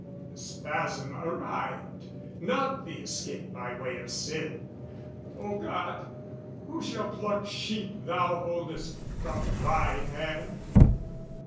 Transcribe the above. The spasm arrived, Not the escape by way of sin, O God, Who shall pluck sheep Thou holdest, from Thy hand?